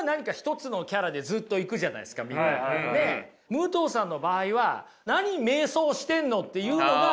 武藤さんの場合は何迷走してんの？っていうのが。